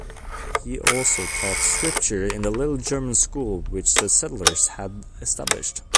He also taught Scripture in the little German school which the settlers had established.